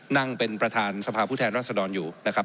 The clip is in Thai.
นั่งเป็นประธานสภาพผู้แทนรัศดรอยู่นะครับ